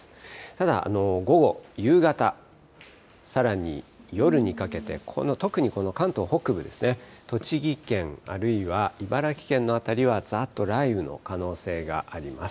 ただ午後、夕方、さらに夜にかけて、特にこの関東北部ですね、栃木県、あるいは茨城県の辺りは、ざーっと雷雨の可能性があります。